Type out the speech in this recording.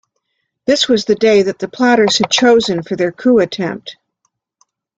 This was the day that the plotters had chosen for their coup attempt.